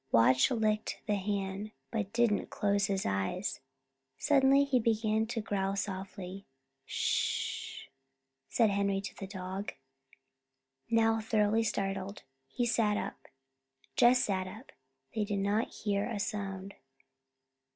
Watch licked the hand, but didn't close his eyes. Suddenly he began to growl softly. "Sh!" said Henry to the dog. Now thoroughly startled, he sat up; Jess sat up. They did not hear a sound.